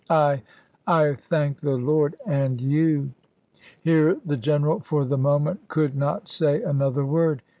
I I thank the Lord and you " Here the General for the moment could not say another word.